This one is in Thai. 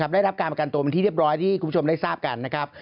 ได้รับการประกันตัวเป็นที่เรียบร้อยที่คุณผู้ชมได้ทราบกันนะครับ